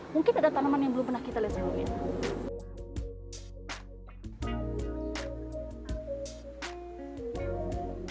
mungkin ada tanaman yang belum pernah kita lihat selama ini